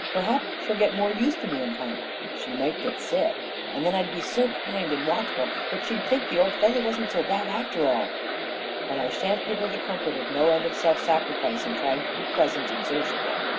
Perhaps she'll get more used to me in time. She might get sick, and then I'd be so kind and watchful that she'd think the old fellow wasn't so bad, after all, But I shan't give her the comfort of no end of self sacrifice in trying to be pleasant and sociable.